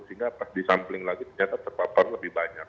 sehingga pas disampling lagi ternyata terpapar lebih banyak